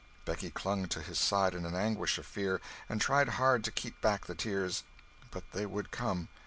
Becky clung to his side in an anguish of fear, and tried hard to keep back the tears, but they would come.